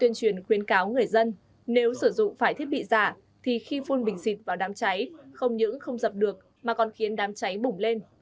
nếu sử dụng phải thiết bị giả thì khi phun bình xịt vào đám cháy không những không dập được mà còn khiến đám cháy bủng lên